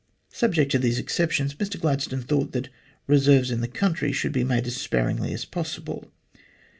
Subject to these exceptions, Mr Gladstone thought that reserves in the country should be made as sparingly as possible.